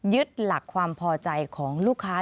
ยึดหลักความพอใจของลูกค้า